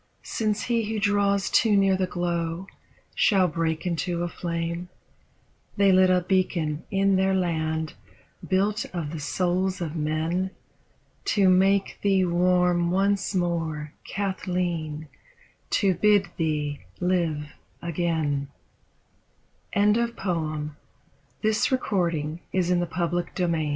Since he who draws too near the glow shall break into a flame? They lit a beacon in their land, built of the souls of men. To make thee warm once more, Kathleen, to bid thee live again. THE SAD YEARS s THEY DID NOT SEE THY FACE OME on